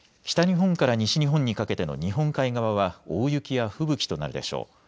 北日本から西日本にかけての日本海側は大雪や吹雪となるでしょう。